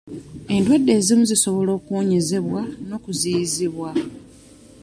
Endwadde ezimu zisobola okuwonyezebwa n'okuziyizibwa.